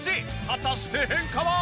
果たして変化は！？